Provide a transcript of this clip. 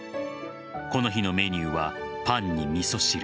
この日のメニューはパンに味噌汁。